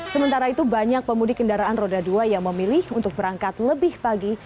sementara itu banyak pemudik kendaraan roda dua yang memilih untuk berangkat lebih pagi